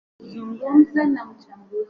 walitumia muda wao mwingi kwenye mazoezi